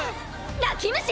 泣き虫！！